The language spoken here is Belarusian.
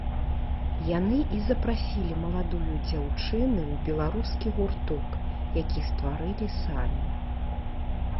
Яны і запрасілі маладую дзяўчыны ў беларускі гурток, які стварылі самі.